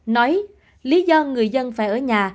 nói lý do người dân phải ở nhà